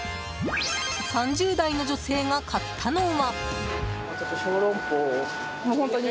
３０代の女性が買ったのは。